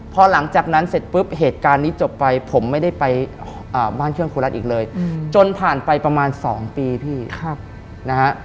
พอหลังจากนั้นเสร็จปุ๊บเหตุการณ์นี้จบไปผมไม่ได้ไปบ้านเครื่องครูรัฐอีกเลยจนผ่านไปประมาณ๒ปีพี่นะฮะ